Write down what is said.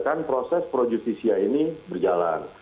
kan proses pro justisia ini berjalan